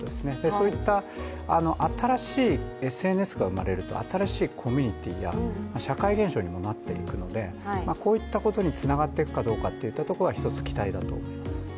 そういった新しいＳＮＳが生まれると新しいコミュニティーや社会現象にもなっていくのでこういったことにつながっていくかどうかというところは、一つ、期待だと思います。